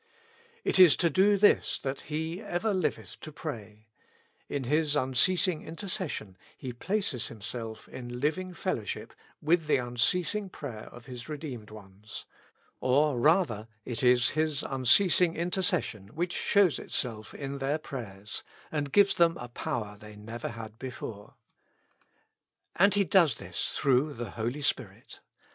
It is to do this that He ever liveth to pray: in His unceasing inter cession He places Himself in living fellowship with 202 With Christ in the School of Prayer. the unceasing prayer of His redeemed ones. Or rather, it is His unceasing intercession which shows itself in their prayers, and gives them a power they never had before. And He does this through the Holy Spirit.